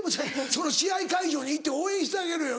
その試合会場に行って応援してあげろよ。